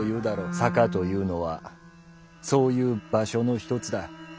「坂」というのはそういう「場所」の一つだ。